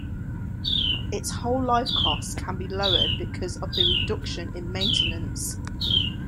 Its whole-life cost can be lower because of the reduction in maintenance.